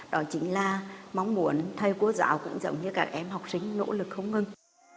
đó chính là mong muốn thầy cô giáo cũng giống như các em học sinh nỗ lực không ngừng